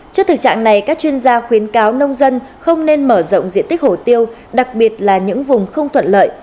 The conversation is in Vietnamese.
trước thực trạng này các chuyên gia khuyến cáo nông dân không nên mở rộng diện tích hổ tiêu đặc biệt là những vùng không thuận lợi